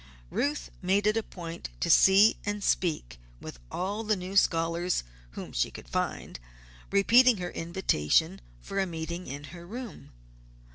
Ruth made it a point to see and speak with all the new scholars whom she could find, repeating her invitation for a meeting in her room.